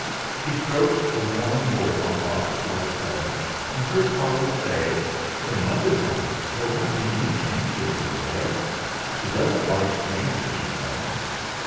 He stroked the warm wool on Balthasar's head, and heard Holly say: "When mother's home, there won't be any changes, will there? She doesn't like strangers, you know."